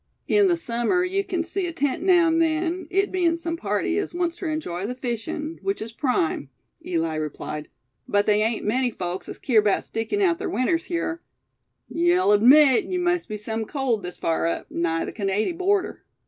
"In the summer you kin see a tent now an' then, it bein' sum party as wants ter enjy the fishin', which is prime," Eli replied; "but they ain't many folks as keer 'bout stickin' out ther winters hyar. Ye'll admit they must be sum cold, this far up, nigh the Canady border."